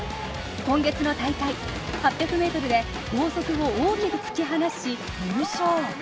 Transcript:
今月の大会、８００ｍで後続を大きく突き放し優勝。